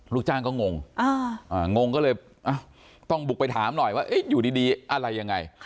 ลูกจ้างก็งงงงก็เลยต้องบุกไปถามหน่อยว่าอยู่ดีอะไรยังไง